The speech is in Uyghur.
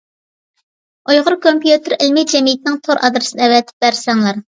ئۇيغۇر كومپيۇتېر ئىلمى جەمئىيىتىنىڭ تور ئادرېسىنى ئەۋەتىپ بەرسەڭلار.